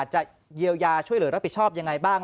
จะเยียวยาช่วยเหลือรับผิดชอบยังไงบ้าง